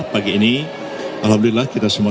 pagi ini alhamdulillah kita semua